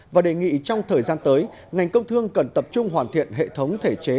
và đề nghị trong thời gian tới ngành công thương cần tập trung hoàn thiện hệ thống thể chế